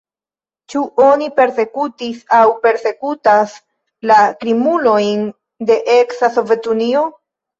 Ĉu oni persekutis aŭ persekutas la krimulojn de eksa Sovetunio?